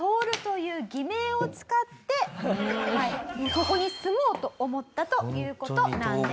そこに住もうと思ったという事なんです。